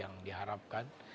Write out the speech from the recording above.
apa yang diharapkan